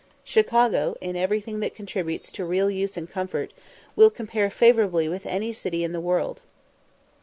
Chicago, in everything that contributes to real use and comfort, will compare favourably with any city in the world.